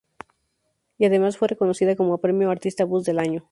Y además, fue reconocida con el premio "Artista buzz del año".